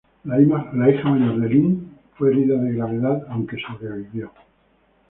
La hija mayor de Lin fue herida de gravedad, aunque sobrevivió.